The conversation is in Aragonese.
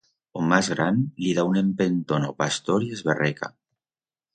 O mas gran li da un empentón a o pastor y esberreca.